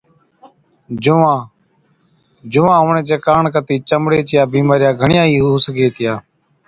جُوئان Lice، جُوئان هُوَڻي چي ڪاڻ ڪتِي چمڙي چِيا بِيمارِيا گھڻِيا ئِي هُو سِگھي هِتِيا۔